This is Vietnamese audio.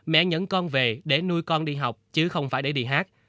mẹ nhẫn con về để nuôi con đi học chứ không phải để đi hát